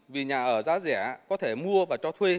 vì nhà ở giá rẻ có thể mua và cho thuê